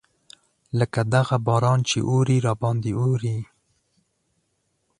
لکه دغه باران چې اوري راباندې اوري.